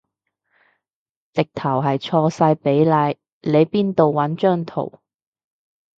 直頭係錯晒比例，你邊度搵張圖